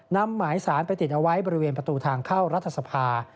นำหมายสารไปติดเอาไว้บริเวณประตูทางเข้ารัฐสภา